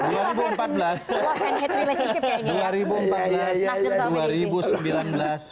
yang satu ini mencat